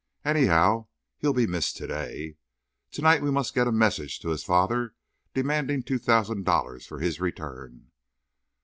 Anyhow, he'll be missed to day. To night we must get a message to his father demanding the two thousand dollars for his return."